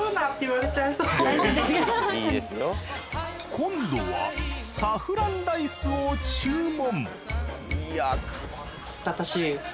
今度はサフランライスを注文。